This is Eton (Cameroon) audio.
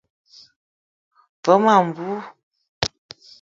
Ve ma mbou.